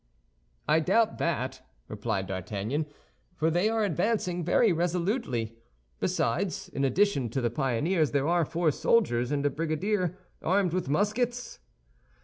"I doubt that," replied D'Artagnan, "for they are advancing very resolutely. Besides, in addition to the pioneers, there are four soldiers and a brigadier, armed with muskets."